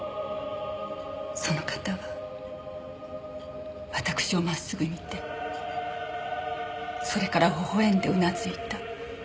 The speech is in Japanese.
その方はわたくしを真っすぐ見てそれからほほ笑んでうなずいた。